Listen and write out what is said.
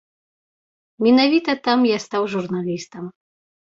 Менавіта там я стаў журналістам.